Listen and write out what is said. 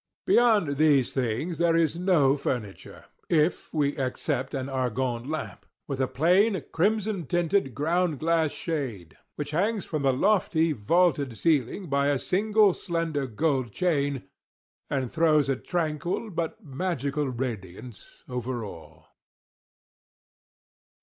Beyond these things, there is no furniture, if we except an Argand lamp, with a plain crimson tinted ground glass shade, which depends from He lofty vaulted ceiling by a single slender gold chain, and throws a tranquil but magical radiance over all.